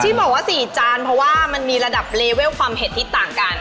ที่บอกว่า๔จานเพราะว่ามันมีระดับเลเวลความเผ็ดที่ต่างกัน